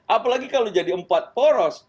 apalagi kalau jadi empat poros